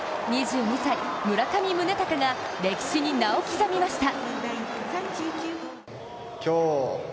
２２歳、村上宗隆が歴史に名を刻みました。